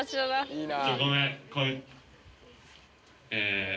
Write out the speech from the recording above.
いいな！